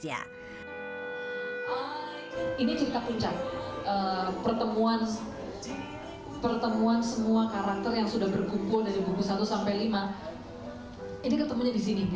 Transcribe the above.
ini cerita puncak pertemuan semua karakter yang sudah berkumpul dari buku satu sampai lima ini ketemunya di sini